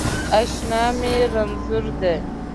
اشنا می رنځور دی